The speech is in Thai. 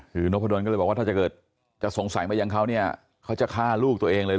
คือนกพะดนก็เลยบอกว่าถ้าเกิดจะสงสัยมายังเขาเนี่ยเขาจะฆ่าลูกตัวเองเลย